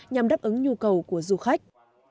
nhằm đáp ứng nhu cầu của du khách